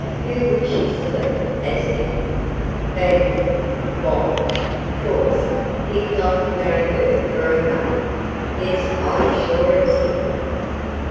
Who would she select as deputy? Vandeloup! Why? 'cause he'd like to marry her for her money. Yes, I'm sure it's him.